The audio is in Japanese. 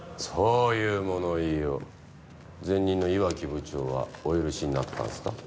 そういう物言いを前任の磐城部長はお許しになってたんですか？